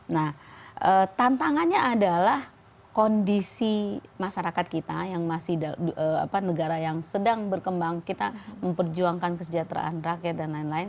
nah tantangannya adalah kondisi masyarakat kita yang masih negara yang sedang berkembang kita memperjuangkan kesejahteraan rakyat dan lain lain